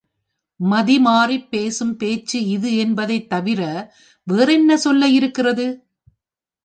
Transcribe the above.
மதிமாறிப்பேசும் பேச்சு இது என்பதைத் தவிர, வேறென்ன சொல்ல இருக்கிறது?